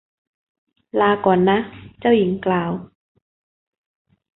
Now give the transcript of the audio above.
ลาก่อนนะ เจ้าหญิงกล่าว